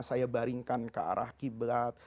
saya baringkan ke arah qiblat